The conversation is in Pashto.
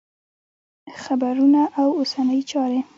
خبرونه او اوسنۍ چارې